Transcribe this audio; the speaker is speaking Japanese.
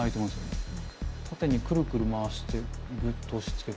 縦にクルクル回してグッと押しつける。